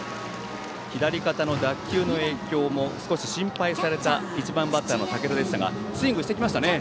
左肩の脱臼の影響も少し心配された１番バッターの武田でしたがスイングしてきましたね。